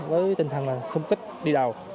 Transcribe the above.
với tinh thần sung kích đi đào